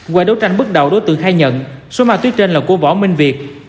qua đấu tranh bước đầu đối tượng khai nhận số ma túy trên là của võ minh việt